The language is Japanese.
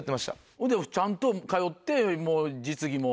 ほんでちゃんと通ってもう実技も。